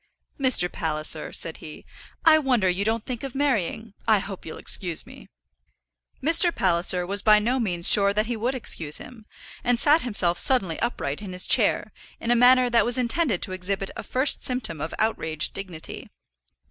"Mr. Palliser," said he, "I wonder you don't think of marrying. I hope you'll excuse me." Mr. Palliser was by no means sure that he would excuse him, and sat himself suddenly upright in his chair in a manner that was intended to exhibit a first symptom of outraged dignity.